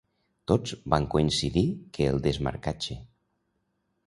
Tots van coincidir que el desmarcatge.